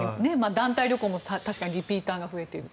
団体旅行も確かにリピーターが増えていると。